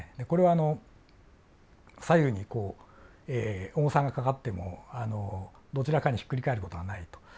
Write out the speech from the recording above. これはあの左右にこう重さがかかってもどちらかにひっくり返る事はないと。